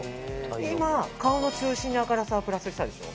今、顔の中心に明るさをプラスしたでしょ。